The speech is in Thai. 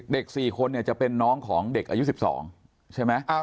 ๔คนเนี่ยจะเป็นน้องของเด็กอายุ๑๒ใช่ไหม